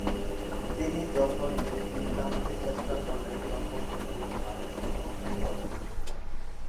তিনি যখন এটি টানতে চেষ্টা করলেন তখন একে ভারী অনুভব করলেন।